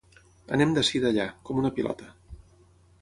Anem d'ací d'allà, com una pilota.